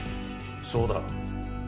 そうだ。